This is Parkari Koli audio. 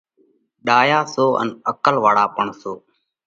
ڏايا سو ان عقل واۯا پڻ سو۔